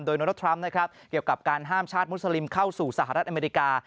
โดนัลดทรัมป์นะครับเกี่ยวกับการห้ามชาติมุสลิมเข้าสู่สหรัฐอเมริกา